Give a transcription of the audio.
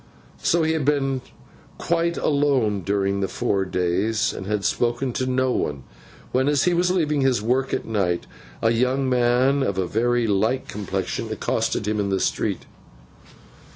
So, he had been quite alone during the four days, and had spoken to no one, when, as he was leaving his work at night, a young man of a very light complexion accosted him in the street.